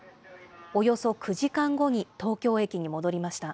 およそ９時間後に東京駅に戻りました。